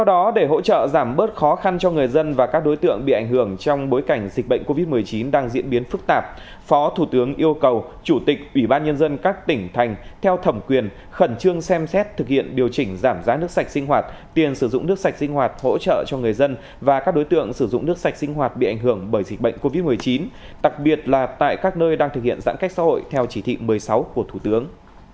đó để hỗ trợ giảm bớt khó khăn cho người dân và các đối tượng bị ảnh hưởng trong bối cảnh dịch bệnh covid một mươi chín đang diễn biến phức tạp phó thủ tướng yêu cầu chủ tịch ủy ban nhân dân các tỉnh thành theo thẩm quyền khẩn trương xem xét thực hiện điều chỉnh giảm giá nước sạch sinh hoạt tiền sử dụng nước sạch sinh hoạt hỗ trợ cho người dân và các đối tượng sử dụng nước sạch sinh hoạt bị ảnh hưởng bởi dịch bệnh covid một mươi chín tặc biệt là tại các nơi đang thực hiện giãn cách xã hội theo chỉ thị một mươi sáu của thủ tướng